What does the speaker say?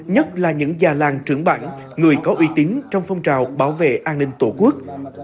nhất là những già làng trưởng bản người có uy tín trong phong trào bảo vệ an ninh tổ quốc